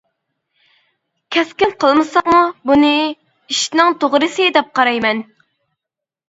كەسكىن قىلمىساقمۇ بۇنى ئىشنىڭ توغرىسى دەپ قارايمەن.